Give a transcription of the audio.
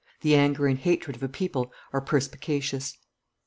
The anger and hatred of a people are perspicacious.